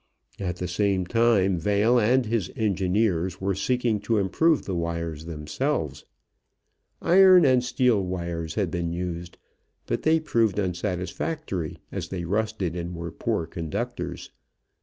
At the same time Vail and his engineers were seeking to improve the wires themselves. Iron and steel wires had been used, but they proved unsatisfactory, as they rusted and were poor conductors.